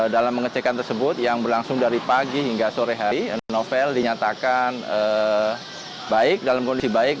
dalam pengecekan tersebut yang berlangsung dari pagi hingga sore hari novel dinyatakan baik dalam kondisi baik